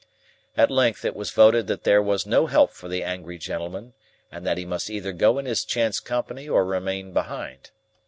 At length, it was voted that there was no help for the angry gentleman, and that he must either go in his chance company or remain behind.